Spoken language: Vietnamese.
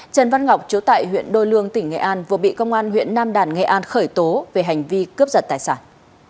trần văn ngọc chú tại huyện đôi lương tỉnh nghệ an vừa bị công an huyện nam đàn nghệ an khởi tố về hành vi cướp giật tài sản